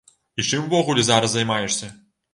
І чым увогуле зараз займаешся?